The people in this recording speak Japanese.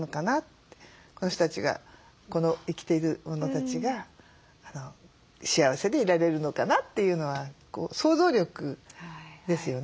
この人たちがこの生きているものたちが幸せでいられるのかなというのは想像力ですよね。